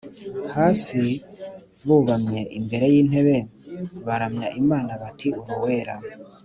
Hasi bubamye imbere y’ intebe baramya Imana bati uruwera